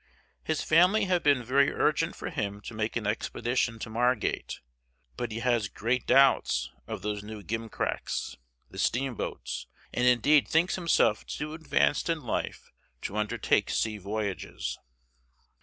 His family have been very urgent for him to make an expedition to Margate, but he has great doubts of those new gimcracks, the steamboats, and indeed thinks himself too advanced in life to undertake sea voyages.